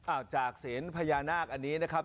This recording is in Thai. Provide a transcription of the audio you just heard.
จากเสียงพญานาคอันนี้นะครับ